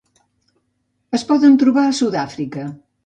Es poden trobar a Sud-àfrica.